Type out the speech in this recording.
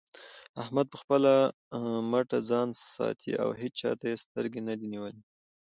احمد په خپله مټه ځان ساتي او هيچا ته يې سترګې نه دې نيولې.